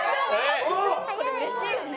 これ嬉しいよね。